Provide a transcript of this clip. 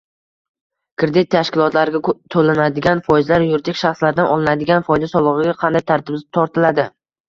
Kredit tashkilotlariga to‘lanadigan foizlar yuridik shaxslardan olinadigan foyda solig‘iga qanday tartibda tortiladi?